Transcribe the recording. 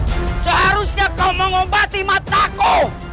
seharusnya kau mengobati mataku